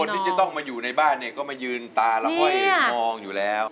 แล้วผู้คนที่จะต้องมาอยู่ในบ้านเนี่ยก็มายืนตาแล้วค่อยมองอยู่แล้ว